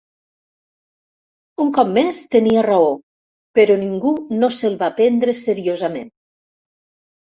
Un cop més, tenia raó, però ningú no se'l va prendre seriosament.